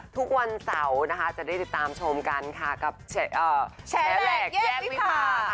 ทุกวันเสาร์นะคะจะได้ติดตามชมกันค่ะกับแชร์แหลกแยกวิพา